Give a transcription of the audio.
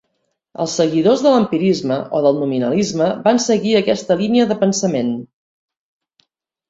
Els seguidors de l'empirisme o del nominalisme van seguir aquesta línia de pensament.